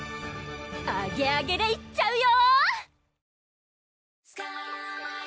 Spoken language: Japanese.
アゲアゲでいっちゃうよ！